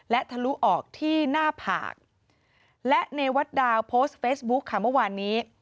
และทะลุออกที่หน้าผากและเนวัดดาวโพสต์เฟซบุ๊คค่ะเมื่อวานนี้